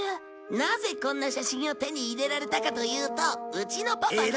なぜこんな写真を手に入れられたかというとうちのパパが。